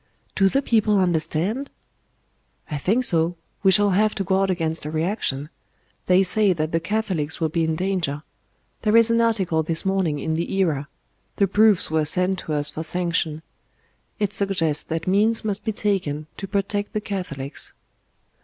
"Do the people understand?" "I think so. We shall have to guard against a reaction. They say that the Catholics will be in danger. There is an article this morning in the Era. The proofs were sent to us for sanction. It suggests that means must be taken to protect the Catholics."